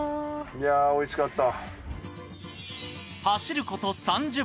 いやおいしかった。